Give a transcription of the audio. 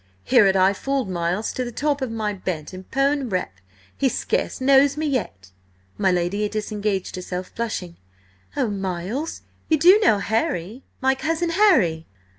Here had I fooled Miles to the top of my bent–and 'pon rep.! he scarce knows me yet!" My lady disengaged herself, blushing. "Oh, Miles, you do know Harry–my cousin Harry?"